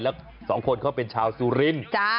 แล้วสองคนเขาเป็นชาวสุรินทร์